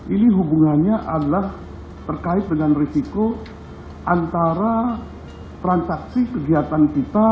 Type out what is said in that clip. ini hubungannya adalah terkait dengan risiko antara transaksi kegiatan kita